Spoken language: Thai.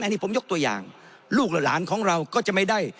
อันนี้ผมยกตัวอย่างลูกหลานของเราก็จะไม่ได้